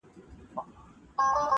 د جاهل په هدیره کي د مکتب خښته ایږدمه -